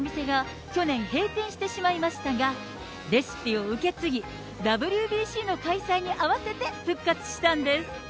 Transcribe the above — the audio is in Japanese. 販売していたお店が去年閉店してしまいましたが、レシピを受け継ぎ、ＷＢＣの開催に合わせて復活したんです。